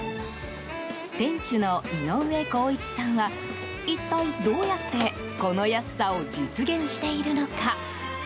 店主の井上康一さんは一体、どうやってこの安さを実現しているのか。